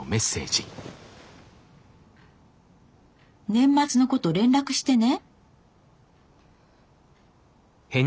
「年末のこと連絡してね」。